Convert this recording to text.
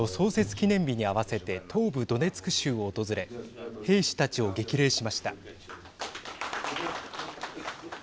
記念日に合わせて東部ドネツク州を訪れ兵士たちを激励しました。